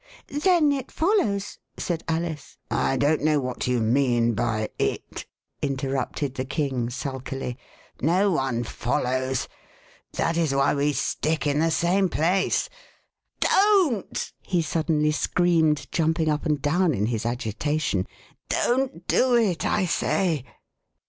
Then it follows " said Alice. I don't know what you mean by * it,' " inter rupted the King sulkily. No one follows. That 26 Alice and the Liberal Party is why we stick in the same place. DONT !'* he suddenly screamed, jumping up and down in his agita tion. Don't do it, I say."